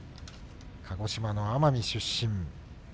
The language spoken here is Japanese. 鹿児島の奄美市出身。